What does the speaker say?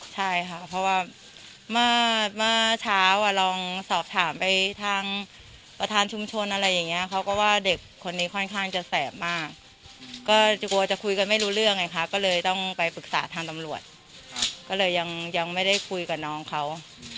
ใช่ค่ะเพราะว่าเมื่อเช้าลองสอบถามไปทางประธานชุมชนอะไรอย่างนี้เขาก็ว่าเด็กคนนี้ค่อนข้างจะแสบมากก็กลัวจะคุยกันไม่รู้เรื่องไงคะก็เลยต้องไปปรึกษาทางตำรวจก็เลยยังไม่ได้คุยกับน้องเขา